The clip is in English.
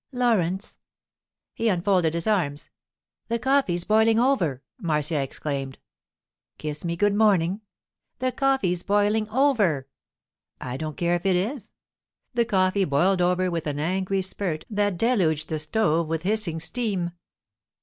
'Laurence.' He unfolded his arms. 'The coffee's boiling over!' Marcia exclaimed. 'Kiss me good morning.' 'The coffee's boiling over.' 'I don't care if it is.' The coffee boiled over with an angry spurt that deluged the stove with hissing steam.